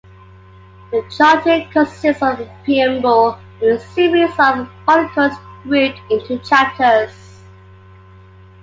The Charter consists of a "preamble" and a series of articles grouped into chapters.